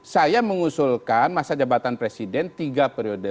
saya mengusulkan masa jabatan presiden tiga periode